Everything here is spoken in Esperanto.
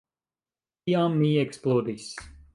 Tiam mi eksplodis.